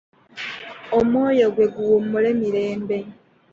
Omwoyo gwe guwummule mirembe.